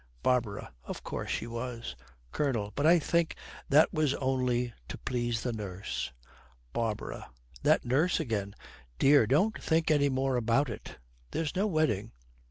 BARBARA. 'Of course she was.' COLONEL. 'But I think that was only to please the nurse.' BARBARA. 'That nurse again! Dear, don't think any more about it. There's no wedding.'